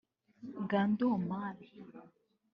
Ngandu Omar